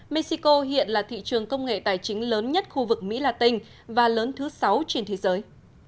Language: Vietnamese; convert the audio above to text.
mexico hiện là thị trường công nghệ tài chính lớn nhất khu vực mỹ la tinh và lớn thứ sáu trên thế giới